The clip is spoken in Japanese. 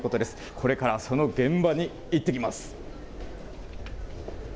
これからその現場に行ってきます。